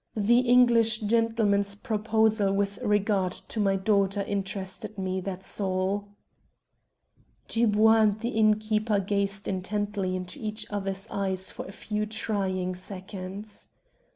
"The English gentleman's proposal with regard to my daughter interested me, that is all." Dubois and the innkeeper gazed intently into each other's eyes for a few trying seconds.